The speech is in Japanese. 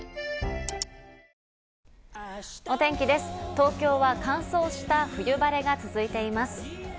東京は乾燥した冬晴れが続いています。